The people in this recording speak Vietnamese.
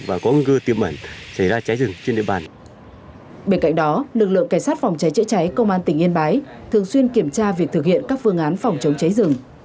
bên cạnh đó lực lượng cảnh sát phòng cháy chữa cháy công an tỉnh yên bái thường xuyên kiểm tra việc thực hiện các phương án phòng chống cháy rừng